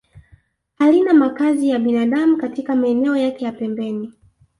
Halina makazi ya binadamu katika maeneo yake ya pembeni